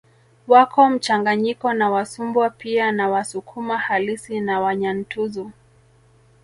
Wako mchanganyiko na Wasumbwa pia na Wasukuma halisi na Wanyantuzu